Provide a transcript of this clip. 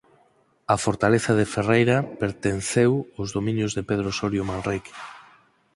A fortaleza de Ferreira pertenceu aos dominios de Pedro Osorio Manrique.